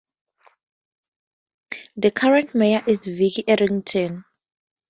The current mayor is Vicki Edington.